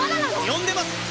呼んでます！